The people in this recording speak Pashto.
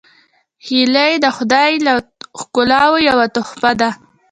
هیلۍ د خدای له ښکلاوو یوه تحفه ده